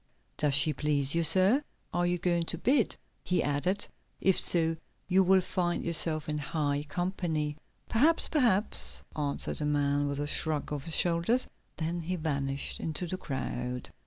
"Does she please you, sir? Are you going to bid?" he added. "If so, you will find yourself in high company." "Perhaps, perhaps," answered the man with a shrug of his shoulders. Then he vanished into the crowd.